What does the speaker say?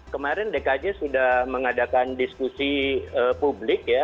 kemarin dkj sudah mengadakan diskusi publik ya